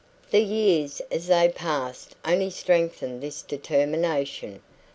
The years as they passed only strengthened this determination.